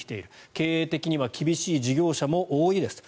経営的には厳しい事業者も多いですと。